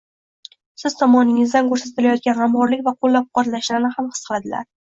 siz tomoningizdan ko‘rsatilayotgan g‘amxo‘rlik va qo‘llab-quvvatlashni ham his qiladilar.